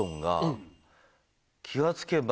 気が付けば。